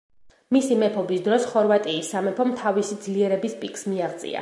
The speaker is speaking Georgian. მისი მეფობის დროს ხორვატიის სამეფომ თავისი ძლიერების პიკს მიაღწია.